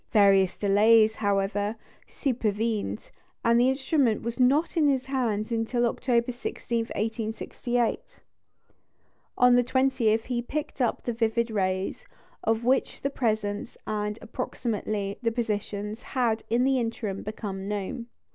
Various delays, however, supervened, and the instrument was not in his hands until October 16, 1868. On the 20th he picked up the vivid rays, of which the presence and (approximately) the positions had in the interim become known.